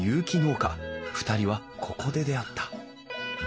２人はここで出会った。